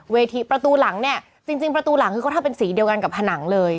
ประตูหลังเนี่ยจริงประตูหลังคือเขาทำเป็นสีเดียวกันกับผนังเลย